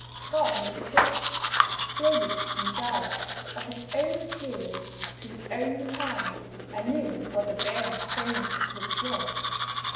God made a bridge built it Himself, of His own materials, to His own design, and knew what the bearing strain of the bridge was.